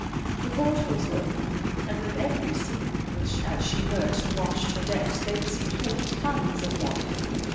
The port holes were open, and with every sea, which as she lurched, washed her decks, they received whole tons of water.